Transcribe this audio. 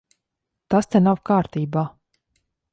Tas te nav kārtībā.